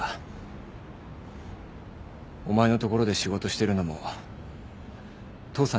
お前のところで仕事してるのも父さんに倣ってるだけだ。